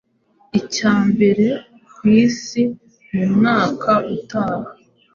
icya mbere ku isi mu mwaka utaha